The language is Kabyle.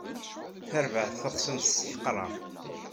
Tarbaɛt taxṣimt tesseḥqer-aɣ.